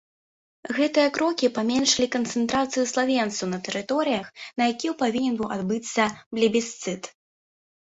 Гэтыя крокі паменшылі канцэнтрацыю славенцаў на тэрыторыях, на якіх павінен быў адбыцца плебісцыт.